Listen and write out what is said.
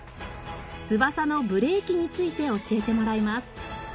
翼のブレーキについて教えてもらいます。